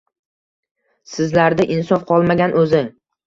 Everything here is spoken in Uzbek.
Sizlarda insof qolmagan o`zi